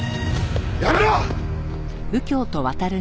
やめろ！